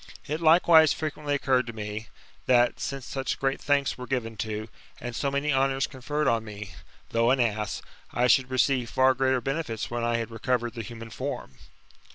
It likewise frequently occurred to me, that, since such great thanks were given to, and so many honours conferred on me, though an ass, I should receive far greater benefits when I bad recovered the human form.